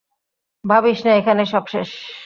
ভাবিস না এখানেই সব শেষ।